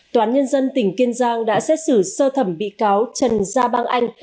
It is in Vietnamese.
toán nhân dân tỉnh kiên giang đã xét xử sơ thẩm bị cáo trần gia bang anh